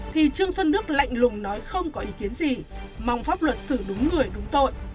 thì trương xuân đức lạnh lùng nói không có ý kiến gì mong pháp luật xử đúng người đúng tội